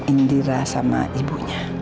indira sama ibunya